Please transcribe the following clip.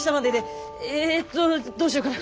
えとどうしようかな。